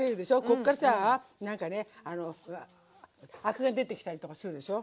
こっからさあなんかねあのアクが出てきたりとかするでしょ。